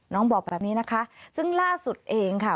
บอกแบบนี้นะคะซึ่งล่าสุดเองค่ะ